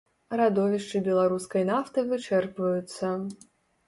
Радовішчы беларускай нафты вычэрпваюцца.